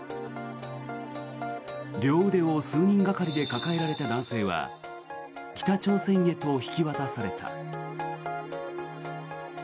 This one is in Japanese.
両腕を数人がかりで抱えられた男性は北朝鮮へと引き渡された。